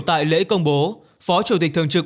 tại lễ công bố phó chủ tịch thường trực